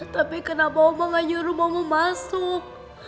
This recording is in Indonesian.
tapi kenapa oma gak nyuruh mama masuk